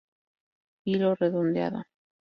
Hilo redondeado.